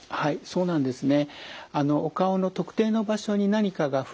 そうなんですね。